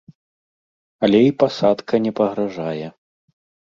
Але і пасадка не пагражае.